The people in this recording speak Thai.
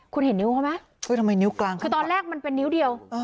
คุณเห็นนิ้วเขาไหมคือตอนแรกมันเป็นนิ้วเดียว